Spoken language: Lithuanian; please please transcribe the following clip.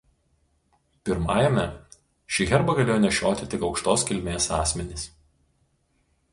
Pirmajame šį herbą galėjo nešioti tik aukštos kilmės asmenys.